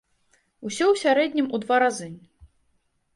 Усё ў сярэднім у два разы.